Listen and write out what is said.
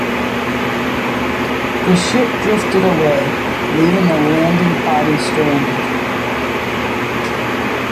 The ship drifted away, leaving the landing party stranded.